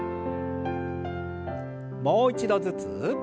もう一度ずつ。